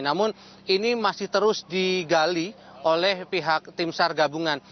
namun ini masih terus digali oleh pihak timsar gabungan